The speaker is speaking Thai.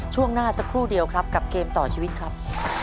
ช่วงหน้าสักครู่เดียวครับกับเกมต่อชีวิตครับ